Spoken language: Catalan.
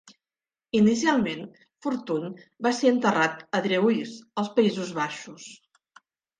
Inicialment, Fortuyn va ser enterrat a Driehuis, als Països Baixos.